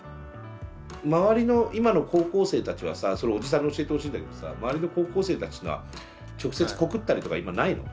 周りの今の高校生たちはさそれおじさんに教えてほしいんだけどさ周りの高校生たちは直接告ったりとか今ないの？